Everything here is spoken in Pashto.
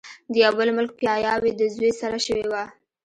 د يو بل ملک پاياوي د زوي سره شوې وه